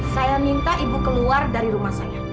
saya minta ibu keluar dari rumah saya